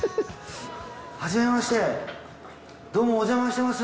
はじめましてどうもおじゃましてます。